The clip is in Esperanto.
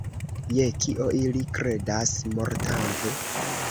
Je kio ili kredas, mortante?